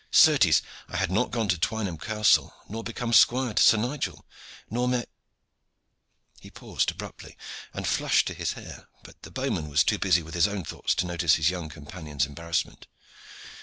Certes, I had not gone to Twynham Castle, nor become squire to Sir Nigel, nor met " He paused abruptly and flushed to his hair, but the bowman was too busy with his own thoughts to notice his young companion's embarrassment.